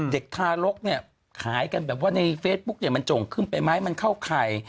เด็กทารกเนี่ยขายกันแบบว่าในเฟซบุ๊กเนี่ยมันจงขึ้นไปไหมมันเข้าข่าย